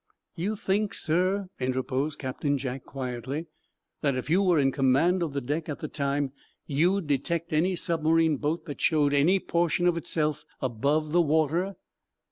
"You think, sir," interposed Captain Jack, quietly, "that, if you were in command of the deck at the time, you'd detect any submarine boat that showed any portion of itself above the water?"